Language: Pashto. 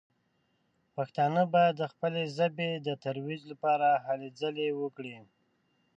پښتانه باید د خپلې ژبې د ترویج لپاره هلې ځلې وکړي.